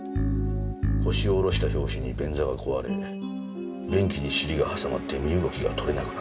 腰を下ろした拍子に便座が壊れ便器に尻が挟まって身動きが取れなくなった。